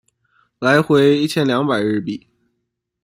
来回一千两百日币